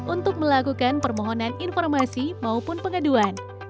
untuk melakukan permohonan informasi maupun pengaduan